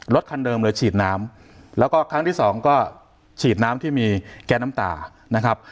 คันเดิมเลยฉีดน้ำแล้วก็ครั้งที่สองก็ฉีดน้ำที่มีแก๊สน้ำตานะครับ